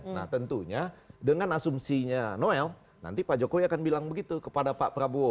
nah tentunya dengan asumsinya noel nanti pak jokowi akan bilang begitu kepada pak prabowo